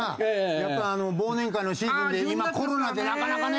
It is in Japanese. やっぱりあの忘年会のシーズンで今コロナでなかなかね